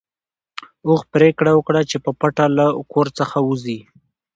اوښ پرېکړه وکړه چې په پټه له کور څخه ووځي.